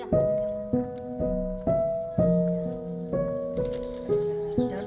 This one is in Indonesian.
terima kasih mbak